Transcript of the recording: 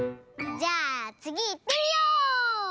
じゃあつぎいってみよう！